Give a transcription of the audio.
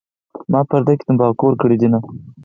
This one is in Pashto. ما په پرده کې تمباکو ورکړي دینه